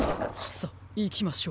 さあいきましょう。